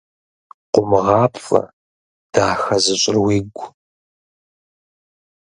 Къумыгъапцӏэ дахэ зыщӏыр уигу.